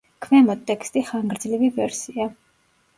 ქვემოთ ტექსტი ხანგრძლივი ვერსია.